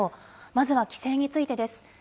まずは帰省についてです。